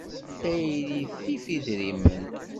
Tayri tif idrimen.